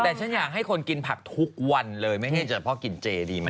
แต่ฉันอยากให้คนกินผักทุกวันเลยไม่ใช่เฉพาะกินเจดีไหม